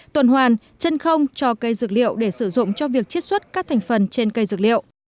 tuần hoàn chân không cho cây dược liệu để sử dụng cho việc chiết xuất các thành phần trên cây dược liệu